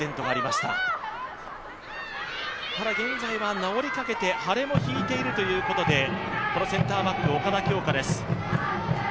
ただ、現在は治りかけて腫れも引いているということで、センターバック、岡田恭佳です。